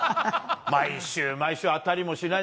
毎週、毎週当たりもしない。